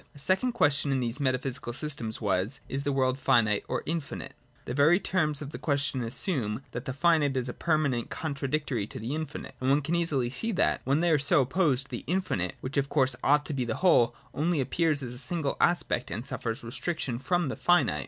A second question in these metaphysical systems was : Is the world finite or infinite ? The very terms of the question assume that the finite is a permanent contradictory to the infinite : and one can easily see that, when they are so opposed, the infinite, which of course ought to be the whole, only appears as a single aspect and suffers restriction from the finite.